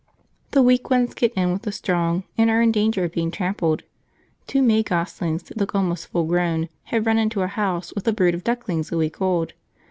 The weak ones get in with the strong and are in danger of being trampled; two May goslings that look almost full grown have run into a house with a brood of ducklings a week old.